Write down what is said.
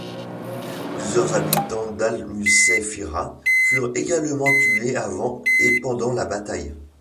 Plusieurs habitants d'al-Musayfirah furent également tués avant et pendant la bataille.